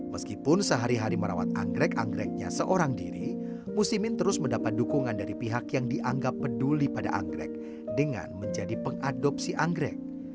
meskipun sehari hari merawat anggrek anggreknya seorang diri musimin terus mendapat dukungan dari pihak yang dianggap peduli pada anggrek dengan menjadi pengadopsi anggrek